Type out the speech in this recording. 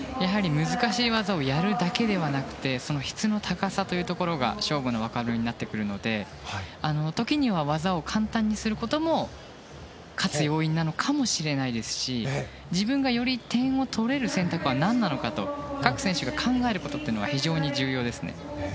難しい技をやるだけではなくて質の高さというところが勝負の分かれ目になってくるので時には、技を簡単にすることも勝つ要因なのかもしれないですし自分がより点を取れる選択は何なのかと各選手が考えることが非常に重要ですね。